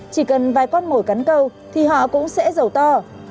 chỉ cần vài con mồi cắn câu thì họ cũng sẽ dầu to